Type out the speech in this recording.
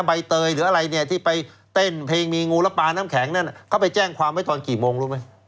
ใบเตยหรืออะไรเนี่ยที่ไปเต้นเพลงมีงูแล้วปลาน้ำแข็งนั่นเขาไปแจ้งความไว้ตอนกี่โมงรู้ไหม